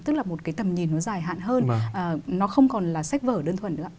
tức là một cái tầm nhìn nó dài hạn hơn nó không còn là sách vở đơn thuần nữa